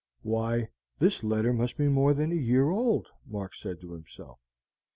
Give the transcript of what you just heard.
"Why, this letter must be more than a year old," Mark said to himself.